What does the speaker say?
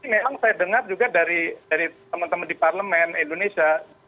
memang saya dengar juga dari teman teman di parlemen indonesia